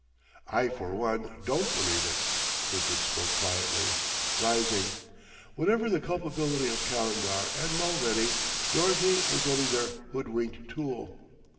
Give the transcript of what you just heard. "I, for one, don't believe it." Kirkwood spoke quietly, rising. "Whatever the culpability of Calendar and Mulready, Dorothy was only their hoodwinked tool."